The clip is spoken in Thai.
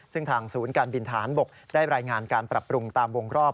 ซึ่งทางศูนย์การบินทหารบกได้รายงานการปรับปรุงตามวงรอบ